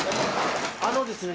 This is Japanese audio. あのですね